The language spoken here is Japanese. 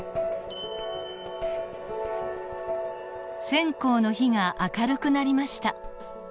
線香の火が明るくなりました。